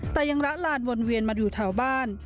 แต่ยังละลานวนเวียนมาดูแถวบ้าน